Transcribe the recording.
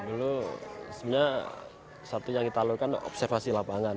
dulu sebenarnya satu yang kita lakukan observasi lapangan